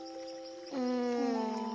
うん。